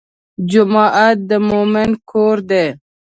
جومات د مؤمن کور دی.